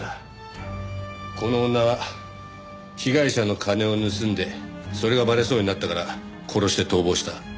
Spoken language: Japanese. この女が被害者の金を盗んでそれがバレそうになったから殺して逃亡した。